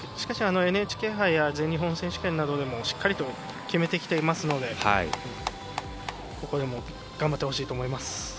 ＮＨＫ杯や全日本選手権などでもしっかりと決めてきていますのでここでも頑張ってほしいと思います。